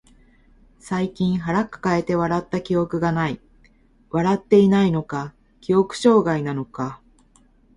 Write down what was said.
最近腹抱えて笑った記憶がない。笑っていないのか、記憶障害なのか。